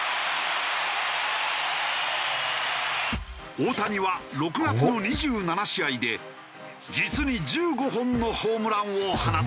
大谷は６月の２７試合で実に１５本のホームランを放った。